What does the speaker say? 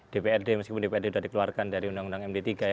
dprd meskipun dprd sudah dikeluarkan dari undang undang md tiga ya